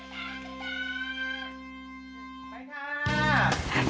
ไปค่ะ